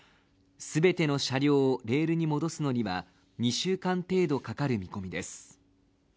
全ての車両をレールに戻すのには２週間程度かかる見込みです。